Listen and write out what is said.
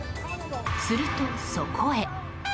すると、そこへ。